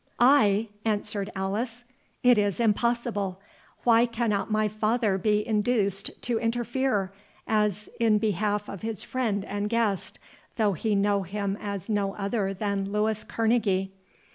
"I!" answered Alice; "it is impossible.—Why cannot my father be induced to interfere, as in behalf of his friend and guest, though he know him as no other than Louis Kerneguy?"